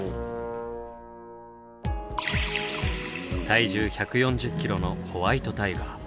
体重１４０キロのホワイトタイガー。